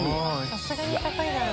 さすがに高いだろう。